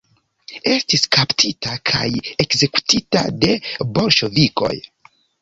Estis kaptita kaj ekzekutita de bolŝevikoj.